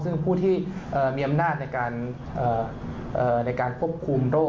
ซึ่งผู้ที่มีอำนาจในการควบคุมโรค